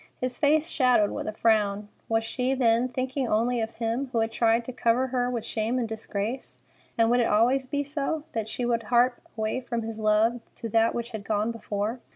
His face shadowed with a frown. Was she, then, thinking only of him who had tried to cover her with shame and disgrace? And would it always be so, that she would hark away from his love to that which had gone before?